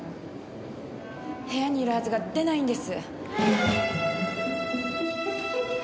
部屋にいるはずが出ないんです。